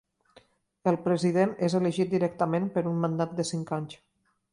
El president és elegit directament per un mandat de cinc anys.